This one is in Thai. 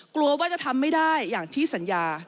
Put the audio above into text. กลัวว่าจะทำไม่ได้อย่างที่สัญญา